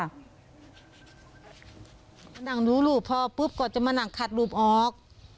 คุณเพื่อนดูรูปพอปุ๊บก็จะมาขัดรูปออก